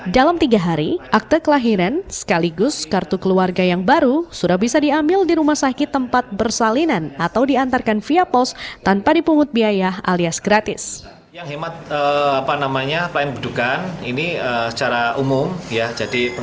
dalam tiga hari akte kelahiran sekaligus kartu keluarga yang baru sudah bisa diambil di rumah sakit tempat bersalinan atau diantarkan via pos tanpa dipungutkan